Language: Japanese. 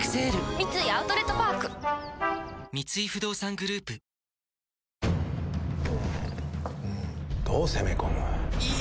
三井アウトレットパーク三井不動産グループ焼きソバもいきます？